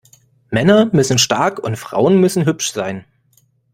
Männer müssen stark und Frauen müssen hübsch sein.